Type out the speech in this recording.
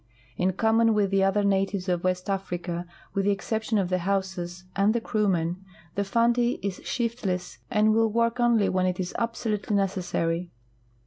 In common with the other natives of West Africa, with the ex •cei)tion of the Haussas and the Krumen, the Fanti is shiftless and will work only when it is absolutel}^ necessary.